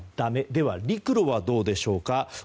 では、陸路はどうでしょうか。